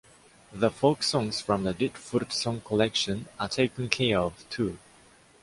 The folk songs from the ‘‘Ditfurth Song Collection’’ are taken care of too.